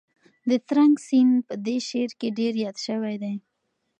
د ترنک سیند په دې شعر کې ډېر یاد شوی دی.